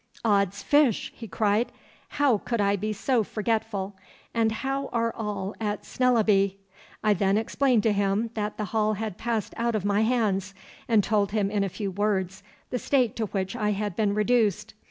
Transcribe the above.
"Od's fish!" he cried, "how could I be so forgetful! And how are all at Snellaby?" I then explained to him that the Hall had passed out of my hands, and told him in a few words the state to which I had been reduced.